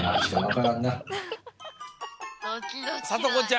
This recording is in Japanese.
さとこちゃん